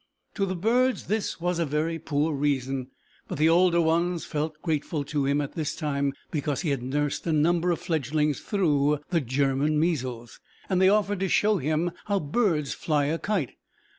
To the birds this was a very poor reason, but the older ones felt grateful to him at this time because he had nursed a number of fledglings through the German measles, and they offered to show him how birds fly a kite.